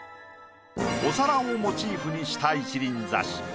お皿をモチーフにした一輪挿し。